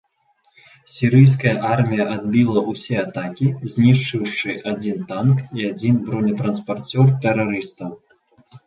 Сірыйская армія адбіла ўсе атакі, знішчыўшы адзін танк і адзін бронетранспарцёр тэрарыстаў.